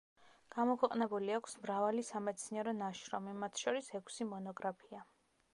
გამოქვეყნებული აქვს მრავალი სამეცნიერო ნაშრომი, მათ შორის ექვსი მონოგრაფია.